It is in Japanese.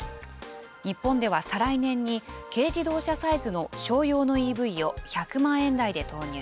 日本では再来年に軽自動車サイズの商用のＥＶを１００万円台で投入。